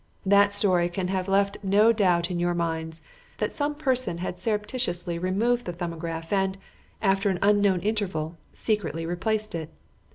That story can have left no doubt in your minds that some person had surreptitiously removed the 'Thumbograph' and, after an unknown interval, secretly replaced it.